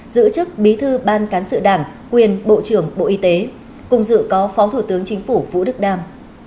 giữ chức bí thư ban cán sự đảng quyền bộ trưởng bộ y tế cùng dự có phó thủ tướng chính phủ vũ đức đam